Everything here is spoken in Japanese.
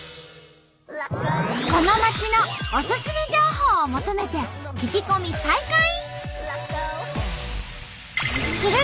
この街のオススメ情報を求めて聞き込み再開！